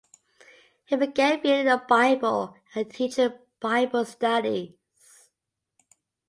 He began reading the Bible and teaching Bible studies.